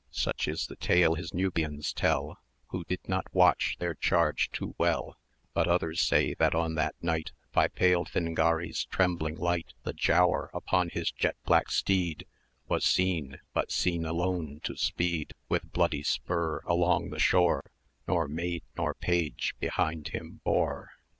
Such is the tale his Nubians tell, Who did not watch their charge too well; But others say, that on that night, By pale Phingari's trembling light, The Giaour upon his jet black steed Was seen, but seen alone to speed 470 With bloody spur along the shore, Nor maid nor page behind him bore.